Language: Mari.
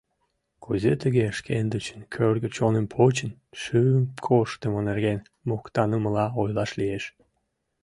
Кузе тыге шкендычын кӧргӧ чоным почын, шӱм корштымо нерген моктанымыла ойлаш лиеш?